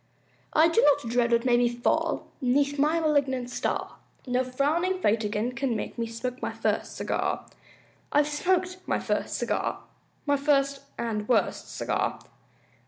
I do not dread what may befall 'Neath my malignant star, No frowning fate again can make Me smoke my first cigar. I've smoked my first cigar! My first and worst cigar!